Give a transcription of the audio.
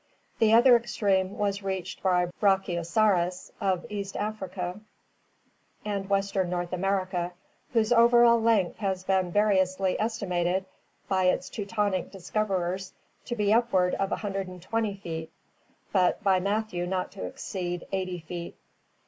The other extreme was reached by Brachiosaurus (=? Gigantosaurus, Fig. 158) of East Africa and western North America, whose over all length has been va riously estimated by its Teutonic discoverers to be upward of 120 feet, but by Matthew not to exceed 80 feet.